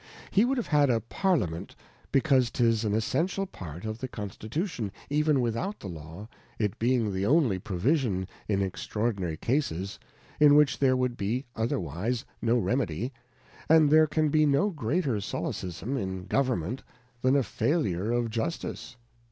, He would have had a Parliament, because 'tis an Essential part ; of the Constitution, even without the Law, it being the only Provision in extraordinary Cases, in which there would be other wise no Remedy, and there can be no greater Solecism in Government, than a failure of Justice.